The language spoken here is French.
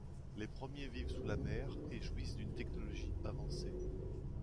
Les premiers vivent sous la mer et jouissent d'une technologie avancée.